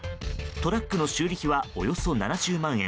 トラックの修理費はおよそ７０万円。